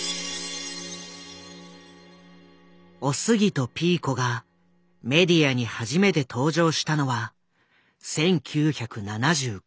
おすぎとピーコがメディアに初めて登場したのは１９７５年。